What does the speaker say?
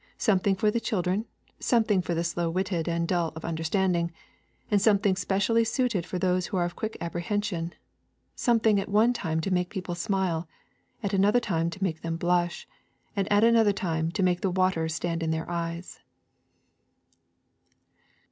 Something for the children, something for the slow witted and the dull of understanding, and something specially suited for those who are of a quick apprehension; something at one time to make the people smile, at another time to make them blush, and at another time to make the water stand in their eyes.